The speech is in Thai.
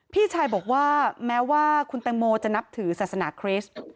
พี่ชายบอกว่าแม้ว่าคุณแตงโมจะนับถือศาสนาคริสต์